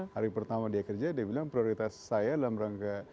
hari pertama dia kerja dia bilang prioritas saya dalam rangka